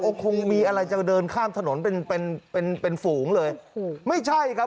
ก็คงมีอะไรจะเดินข้ามถนนเป็นเป็นเป็นเป็นฝูงเลยโอ้โหไม่ใช่ครับ